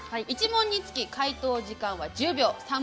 １問につき解答時間は１０秒。